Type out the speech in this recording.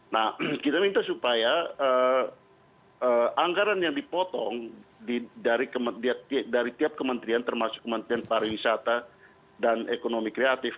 nah kita minta supaya anggaran yang dipotong dari tiap kementerian termasuk kementerian pariwisata dan ekonomi kreatif